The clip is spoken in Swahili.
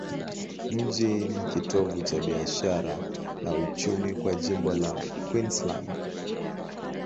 Mji ni kitovu cha biashara na uchumi kwa jimbo la Queensland.